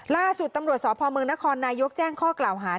ล่าสุดตำรวจสพเมืองนครนายกแจ้งข้อกล่าวหา